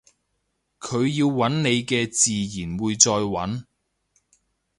佢要搵你嘅自然會再搵